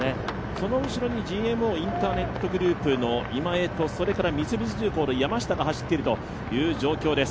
その後ろにＧＭＯインターネットグループの今江と三菱重工の山下が走っているという状況です。